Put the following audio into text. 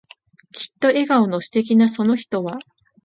きっと笑顔の素敵なその人は、